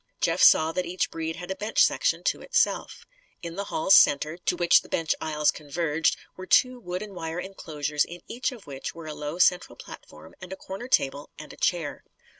Jeff saw that each breed had a bench section to itself. In the hall's centre, to which the bench aisles converged, were two wood and wire inclosures in each of which were a low central platform and a corner table and a chair.